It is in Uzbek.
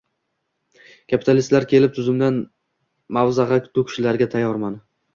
Kapitalistlar kelib ustimdan mag‘zava to‘kishlariga tayyorman.